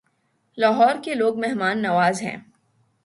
لاہور کے لوگ مہمان نواز ہیں